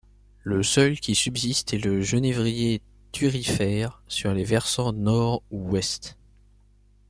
Le seul qui subsiste est le genévrier thurifère sur les versants nord ou ouest.